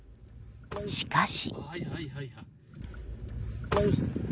しかし。